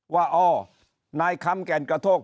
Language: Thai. ว่าอ๋อนายคำแก่นกระโทก